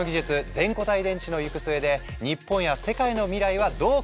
全固体電池の行く末で日本や世界の未来はどう変わっていくのか？